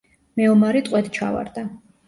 მეომარი ტყვედ ჩავარდა.